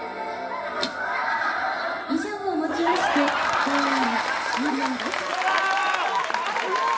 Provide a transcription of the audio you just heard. ・以上をもちまして公演は終了です。